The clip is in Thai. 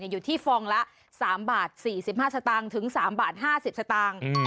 อยู่ที่ฟองละ๓บาท๔๕สตางค์ถึง๓บาท๕๐สตางค์